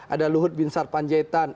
ada luhut bin sarpanjaitan